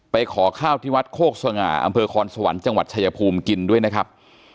ขอข้าวที่วัดโคกสง่าอำเภอคอนสวรรค์จังหวัดชายภูมิกินด้วยนะครับ